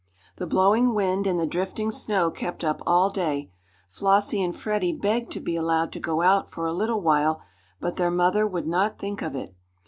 The blowing wind and the drifting snow kept up all day. Flossie and Freddie begged to be allowed to go out for a little while, but their mother would not think of it.